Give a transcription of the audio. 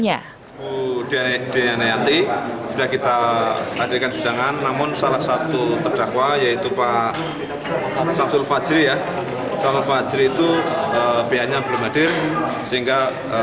yang didampingi oleh kuasa hukumnya